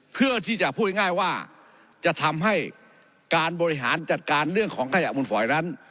เพื่อที่จะพูดง่ายว่าจะทำให้การบริหารจัดการเรื่องของขยะมุนฝอยนั้น